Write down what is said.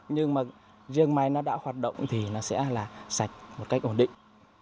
nhưng mà riêng máy đã hoạt động thì nó sẽ sạch một cách ổn định